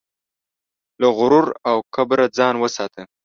له غرور او کبره ځان وساته.